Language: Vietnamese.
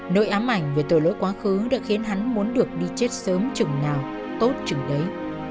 nỗi ám ảnh về tội lỗi quá khứ đã khiến hắn muốn được đi chết sớm chừng nào tốt chừng đấy